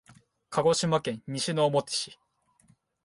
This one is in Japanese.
鹿児島県西之表市